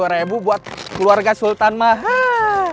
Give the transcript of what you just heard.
lima puluh ribu buat keluarga sultan mahal